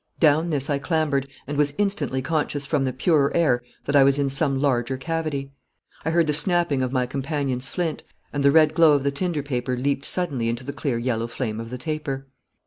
Down this I clambered, and was instantly conscious from the purer air that I was in some larger cavity. I heard the snapping of my companion's flint, and the red glow of the tinder paper leaped suddenly into the clear yellow flame of the taper.